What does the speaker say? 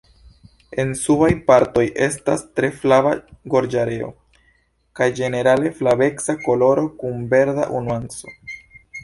En subaj partoj estas tre flava gorĝareo kaj ĝenerale flaveca koloro kun verda nuanco.